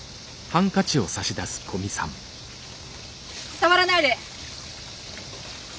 触らないで！